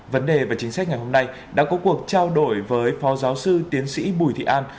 vấn đề và chính sách ngày hôm nay đã có cuộc trao đổi với phó giáo sư tiến sĩ bùi thị an